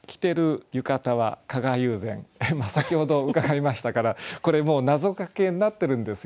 先ほど伺いましたからこれもうなぞかけになってるんですよね。